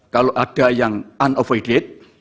kalau ada yang unofoided